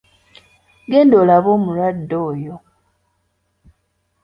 Genda olabe omulwadde oyo.